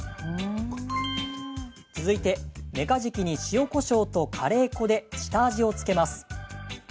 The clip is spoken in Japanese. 続いて、メカジキに塩、こしょうとカレー粉で下味を付けます。